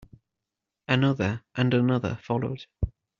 Another and another followed.